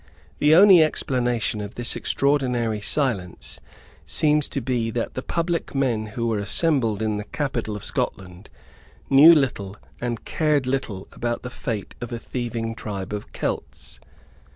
The only explanation of this extraordinary silence seems to be that the public men who were assembled in the capital of Scotland knew little and cared little about the fate of a thieving tribe of Celts.